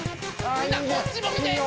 みんなこっちも見て！